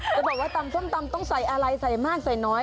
จะบอกว่าตำส้มตำต้องใส่อะไรใส่มากใส่น้อย